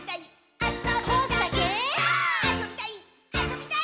あそびたい！」